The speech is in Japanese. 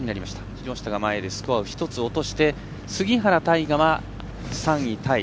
木下が前でスコアを１つ落として杉原大河は３位タイ。